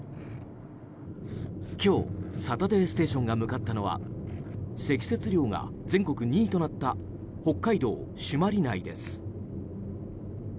今日「サタデーステーション」が向かったのは積雪量が全国２位となった北海道朱鞠内です。